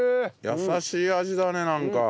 優しい味だねなんか。